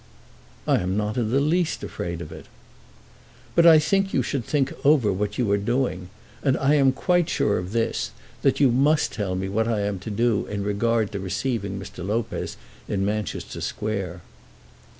"I am not in the least afraid of it." "But I think you should think over what you are doing. And I am quite sure of this, that you must tell me what I am to do in regard to receiving Mr. Lopez in Manchester Square."